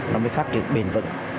nó mới phát triển bền vận